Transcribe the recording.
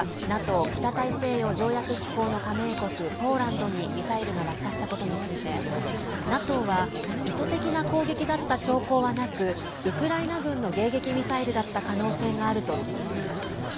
ＮＡＴＯ＝北大西洋条約機構の加盟国ポーランドにミサイルが落下したことについてＮＡＴＯは意図的な攻撃だった兆候はなくウクライナ軍の迎撃ミサイルだった可能性があると指摘しています。